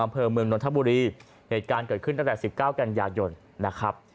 อำเภอเมืองนนทบุรีเหตุการณ์เกิดขึ้นตั้งแต่๑๙กันยายนนะครับ